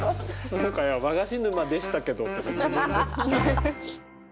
今回は「和菓子沼」でしたけどとか自分で。